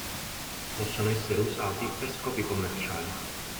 Possono essere usati per scopi commerciali.